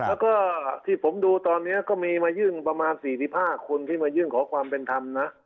แล้วก็ที่ผมดูตอนนี้ก็มีมายื่นประมาณ๔๕คนที่มายื่นขอความเป็นธรรมนะ